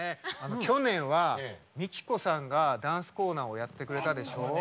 去年はＭＩＫＩＫＯさんがダンスコーナーをやってくれたでしょ？